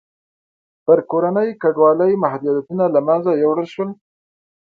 پر کورنۍ کډوالۍ محدودیتونه له منځه یووړل شول.